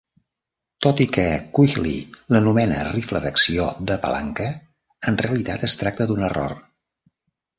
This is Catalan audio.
Tot i que Quigley l'anomena rifle d'acció de palanca, en realitat es tracta d'un error.